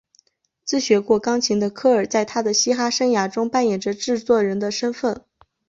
自学过钢琴的科尔在他的嘻哈乐生涯中扮演着制作人的身份。